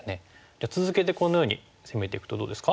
続けてこのように攻めていくとどうですか？